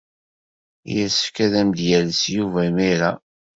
Yessefk ad am-d-yales Yuba imir-a.